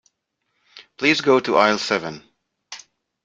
Please go to aisle seven.